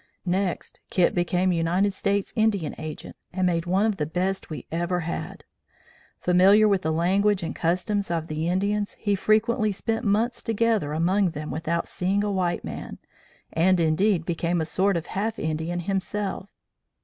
Next Kit became United States Indian Agent, and made one of the best we ever had. Familiar with the language and customs of the Indians, he frequently spent months together among them without seeing a white man, and indeed became a sort of half Indian himself.